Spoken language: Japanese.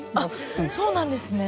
そうなんですね。